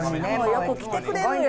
よく来てくれるのよ！